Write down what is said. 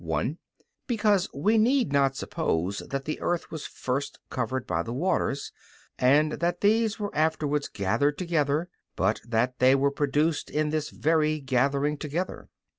i), because we need not suppose that the earth was first covered by the waters, and that these were afterwards gathered together, but that they were produced in this very gathering together.